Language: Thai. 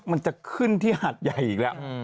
มันจะขึ้นที่หาดใหญ่อีกแล้ว